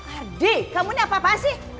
adik kamu ini apa apa sih